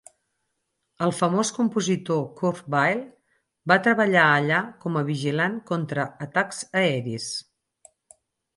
El famós compositor Kurt Weill va treballar allà com a vigilant contra atacs aeris.